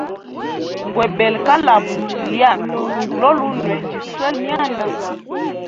Ngwebele kalamu lyami lolunwe, ndjiswele myanda.